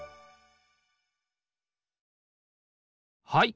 はい。